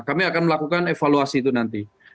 kami akan melakukan evaluasi itu nanti